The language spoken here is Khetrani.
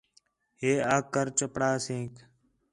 ہے آکھ کر چپڑاسیک